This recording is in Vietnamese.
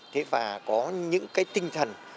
thế và có những cái tinh thần